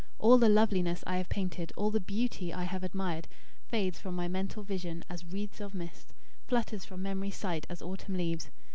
All the loveliness I have painted, all the beauty I have admired, fades from my mental vision, as wreaths of mist; flutters from memory's sight, as autumn leaves.